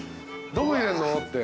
どこ入れんのって。